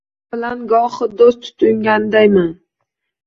Sen bilan gohi do’st tutingandayman.